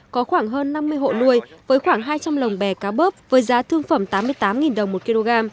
có khoảng hơn năm mươi hộ nuôi với khoảng hai trăm linh lồng bè cá bớp với giá thương phẩm tám mươi tám đồng một kg